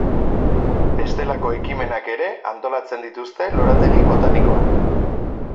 Bestelako ekimenak ere antolatzen dituzte lorategi botanikoan.